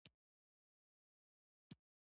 دا د بنسټونو په برخه کې یو نوښت دی.